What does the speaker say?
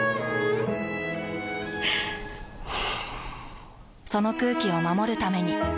ふぅその空気を守るために。